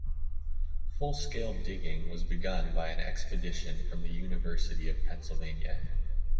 Full scale digging was begun by an expedition from the University of Pennsylvania.